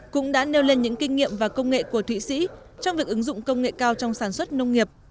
cũng đã nêu lên những kinh nghiệm và công nghệ của thụy sĩ trong việc ứng dụng công nghệ cao trong sản xuất nông nghiệp